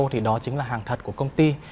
thì đó chính là hàng thật của công ty